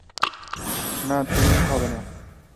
না, তুমি হবে না।